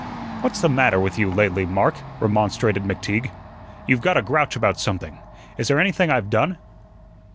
"What's the matter with you lately, Mark?" remonstrated McTeague. "You've got a grouch about something. Is there anything I've done?"